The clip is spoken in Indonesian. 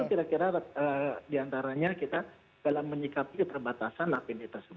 itu kira kira diantaranya kita dalam menyikapi keterbatasan lapinitas